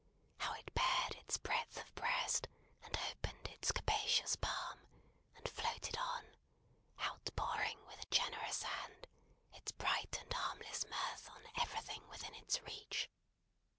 How it bared its breadth of breast, and opened its capacious palm, and floated on, outpouring, with a generous hand, its bright and harmless mirth on everything within its reach!